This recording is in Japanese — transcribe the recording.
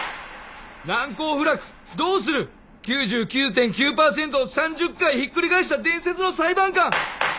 「難攻不落どうする！？」「９９．９％を３０回ひっくり返した伝説の裁判官」